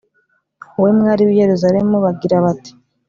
wowe, mwari w’i Yeruzalemu, bagira bati